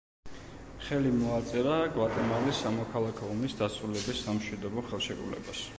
ხელი მოაწერა გვატემალის სამოქალაქო ომის დასრულების სამშვიდობო ხელშეკრულებას.